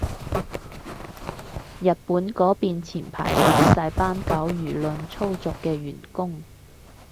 日本嗰邊前排炒晒班搞輿論操作嘅員工